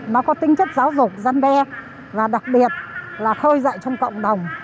nó có tính chất giáo dục giăn đe và đặc biệt là khơi dạy trong cộng đồng